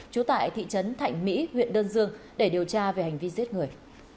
trú tại thị trấn thạnh mỹ huyện đơn dương để điều tra về hành vi giết người